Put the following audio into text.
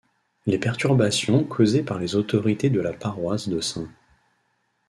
Les perturbations causées par les autorités de la paroisse de St.